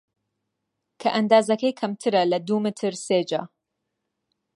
کە ئەندازەکەی کەمترە لە دوو مەتر سێجا